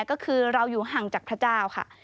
ก็คือเราอยู่ห่างจากพระเจ้าค่ะ